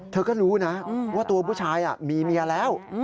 เธอก็รู้นะว่าตัวผู้ชายมีเมียแล้ว